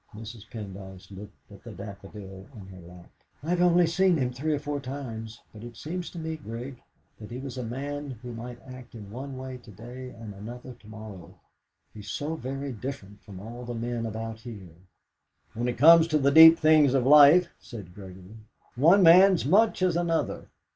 Mrs. Pendyce looked at the daffodil in her lap. "I have only seen him three or four times, but it seemed to me, Grig, that he was a man who might act in one way today and another tomorrow. He is so very different from all the men about here." "When it comes to the deep things of life," said Gregory, "one man is much as another.